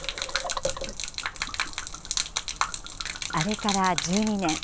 あれから１２年。